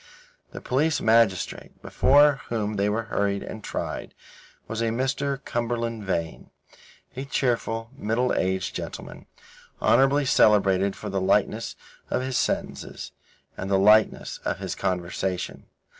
The police magistrate, before whom they were hurried and tried, was a Mr. Cumberland Vane, a cheerful, middle aged gentleman, honourably celebrated for the lightness of his sentences and the lightness of his conversation.